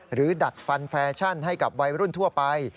ดัดฟันแฟชั่นให้กับวัยรุ่นทั่วไป